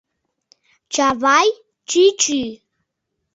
— Чавай чӱчӱ!